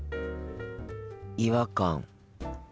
「違和感」。